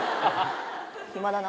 暇だな。